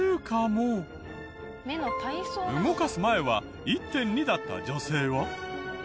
動かす前は１．２だった女性は。